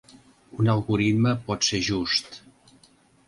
Un algoritme pot ser just.